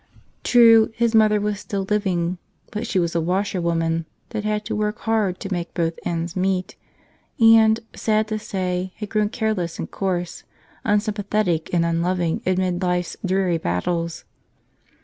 True, his mother was still living, but she was a washerwoman that had to work hard to make both ends meet and, sad to say, had grown careless and coarse, unsympathetic and unloving amid life's dreary battles.